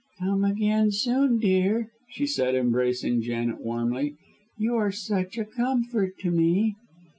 "Come again soon, dear," she said, embracing Janet warmly. "You are such a comfort to me."